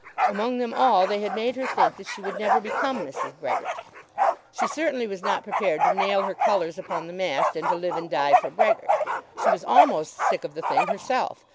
Among them all they had made her think that she would never become Mrs. Brehgert. She certainly was not prepared to nail her colours upon the mast and to live and die for Brehgert. She was almost sick of the thing herself.